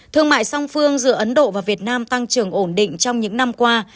thương mại song phương giữa ấn độ và việt nam tăng trưởng ổn định trong những năm qua